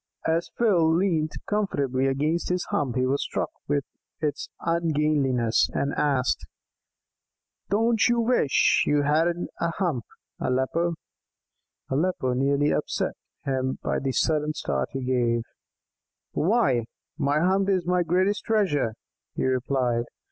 As Phil leant comfortably against his hump he was struck with its ungainliness, and asked: "Don't you wish you hadn't a hump, Aleppo?" Aleppo nearly upset him by the sudden start he gave. "Why, my hump is my greatest treasure," he replied.